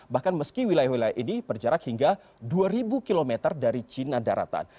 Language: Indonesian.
bahkan meski wilayah wilayah ini berjarak hingga dua ribu km dari cina daratan